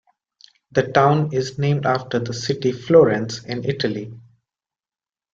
The town is named after the city Florence in Italy.